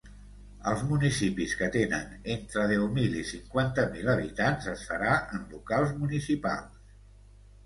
Als municipis que tenen entre deu mil i cinquanta mil habitants, es farà en locals municipals.